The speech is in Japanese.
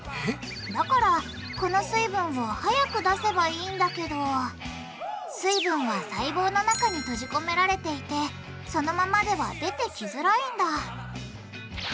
だからこの水分を早く出せばいいんだけど水分は細胞の中に閉じ込められていてそのままでは出てきづらいんだ